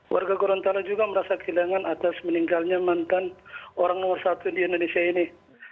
warga gorontalo juga merasa kehilangan atas meninggalnya mantan orang nomor satu di indonesia ini